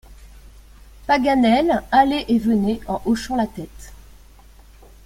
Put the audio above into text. Paganel allait et venait en hochant la tête.